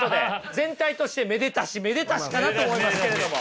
全体としてめでたしめでたしかなと思いますけれども。